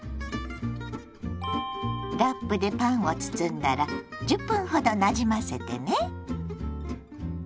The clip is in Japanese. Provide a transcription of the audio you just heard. ラップでパンを包んだら１０分ほどなじませてね。